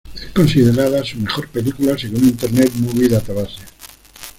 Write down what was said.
Es considerada su mejor película según Internet Movie Database.